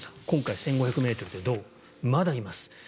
今回１５００ｍで銅まだいます。